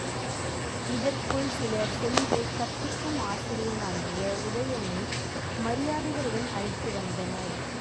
இதற்குள் சிலர் சென்று, கற்பிக்கும் ஆசிரியனாகிய உதயணனை மரியாதைகளுடன் அழைத்து வந்தனர்.